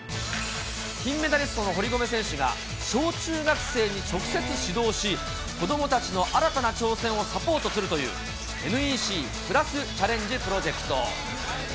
金メダリストの堀米選手が小中学生に直接指導し、子どもたちの新たな挑戦をサポートするという、ＮＥＣ＋チャレンジプロジェクト。